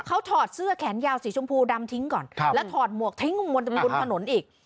เขาถอดเสื้อแขนยาวสีชมพูดำทิ้งก่อนแล้วถอดหมวกทิ้งบนถนนอีก